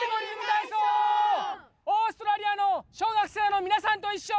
オーストラリアの小学生のみなさんといっしょ！